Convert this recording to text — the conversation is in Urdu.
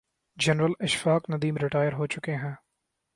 جنرل اشفاق ندیم ریٹائر ہو چکے ہیں۔